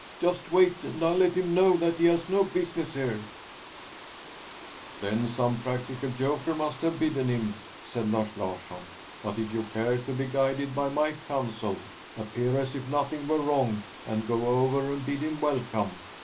Just wait, and I'll let him know that he has no business here!" "Then some practical joker must have bidden him," said Lars Larsson. "But if you care to be guided by my counsel, appear as if nothing were wrong and go over and bid him welcome.